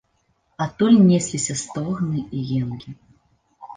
Адтуль несліся стогны і енкі.